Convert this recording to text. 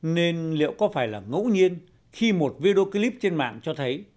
nên liệu có phải là ngẫu nhiên khi một video clip trên mạng cho thấy